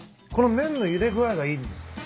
この麺のゆで具合がいいんです。